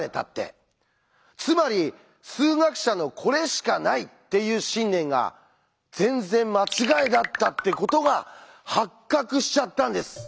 つまり数学者の「これしかない」っていう信念が全然間違いだったってことが発覚しちゃったんです。